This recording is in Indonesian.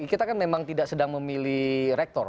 kita kan memang tidak sedang memilih rektor